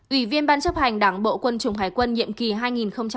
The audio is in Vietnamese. ủy viên ban chấp hành đảng bộ quân chủng hải quân nhiệm kỳ hai nghìn năm hai nghìn một mươi